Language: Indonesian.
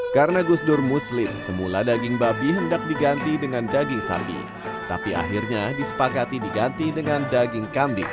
karena gus dur muslim semula daging babi hendak diganti dengan daging sambi tapi akhirnya disepakati diganti dengan daging kambing